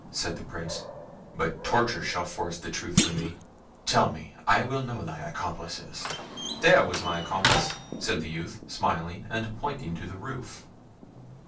said the Prince; "but tortures shall force the truth from thee. Tell me; I will know thy accomplices." "There was my accomplice!" said the youth, smiling, and pointing to the roof.